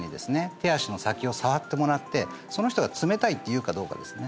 手足の先を触ってもらってその人が「冷たい」って言うかどうかですね